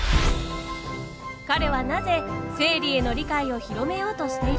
彼はなぜ生理への理解を広めようとしているのか。